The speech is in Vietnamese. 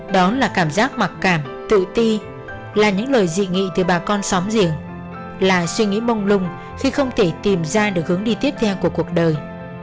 đó là cảm giác mặc cảm tự ti là những lời dị nghị từ bà con xóm riêng là suy nghĩ mông lung khi không thể tìm ra được hướng đi tiếp theo của cuộc đời